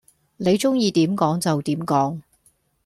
你鍾意點講就點講